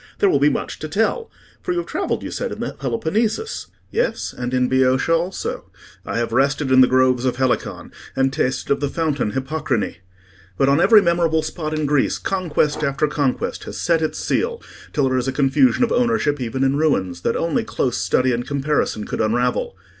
There will be much to tell; for you have travelled, you said, in the Peloponnesus?" "Yes; and in Boeotia also: I have rested in the groves of Helicon, and tasted of the fountain Hippocrene. But on every memorable spot in Greece conquest after conquest has set its seal, till there is a confusion of ownership even in ruins, that only close study and comparison could unravel.